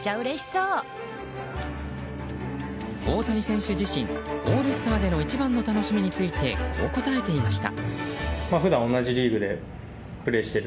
大谷選手自身オールスターでの一番の楽しみについてこう答えていました。